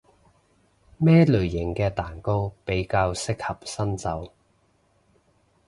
咩類型嘅蛋糕比較適合新手？